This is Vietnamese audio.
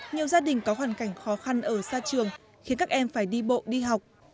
nhiều gia đình có hoàn cảnh khó khăn ở xa trường khiến các em phải đi bộ đi học